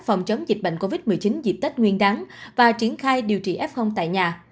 phòng chống dịch bệnh covid một mươi chín dịp tết nguyên đáng và triển khai điều trị f tại nhà